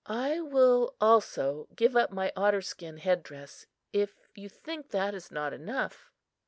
I will also give up my otterskin head dress, if you think that is not enough."